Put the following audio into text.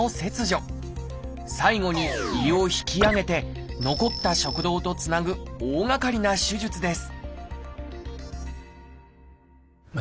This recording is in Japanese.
最後に胃を引き上げて残った食道とつなぐ大がかりな手術です